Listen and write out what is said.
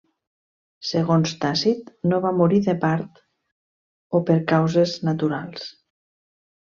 Segons Tàcit, no va morir de part o per causes naturals.